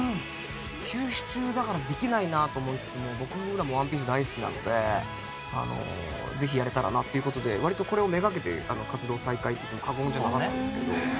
休止中だからできないなと思いつつも僕らも『ＯＮＥＰＩＥＣＥ』大好きなのでぜひやれたらなっていう事で割とこれを目がけて活動再開って言っても過言ではなかったんですけど。